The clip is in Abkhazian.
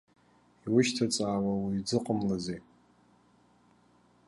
Иушьҭаҵаауа уаҩ дзыҟамлазеи?